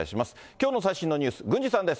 きょうの最新のニュース、郡司さんです。